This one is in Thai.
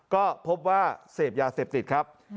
ก็พบว่าเสพยาเสพติดครับ